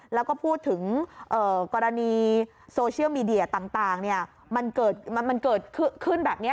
แล้วก็พูดถึงกรณีโซเชียลมีเดียต่างมันเกิดขึ้นแบบนี้